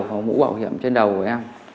có mũ bảo hiểm trên đầu của em